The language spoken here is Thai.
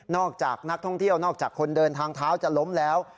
จากนักท่องเที่ยวนอกจากคนเดินทางเท้าจะล้มแล้ว